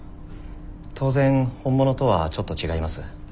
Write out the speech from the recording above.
当然本物とはちょっと違います。